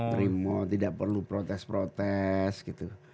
primo tidak perlu protes protes gitu